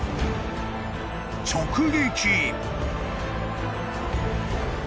［直撃］